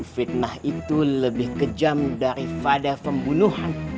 fitnah itu lebih kejam daripada pembunuhan